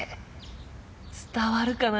伝わるかな？